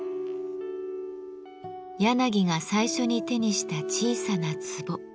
柳が最初に手にした小さな壺。